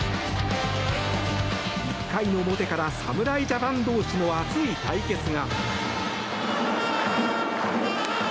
１回の表から侍ジャパン同士の熱い対決が。